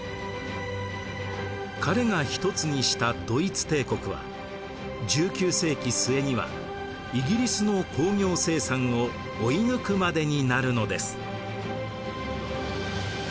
彼が一つにしたドイツ帝国は１９世紀末にはイギリスの工業生産を追い抜くまでになるのです。